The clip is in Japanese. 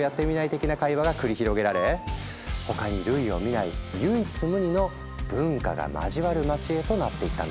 的な会話が繰り広げられ他に類を見ない唯一無二の「文化が交わる街」へとなっていったんだ。